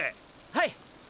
はい！